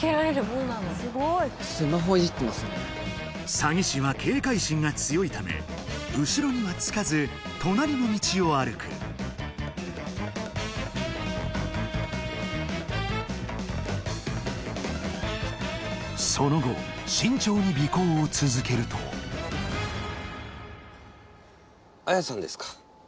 サギ師は警戒心が強いため後ろにはつかず隣の道を歩くその後慎重に尾行を続けると綾さんですか？